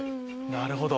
なるほど。